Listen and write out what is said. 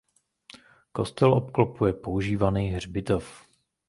Kostel obklopuje používaný hřbitov.